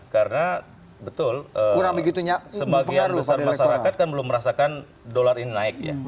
karena betul sebagian besar masyarakat kan belum merasakan dolar ini naik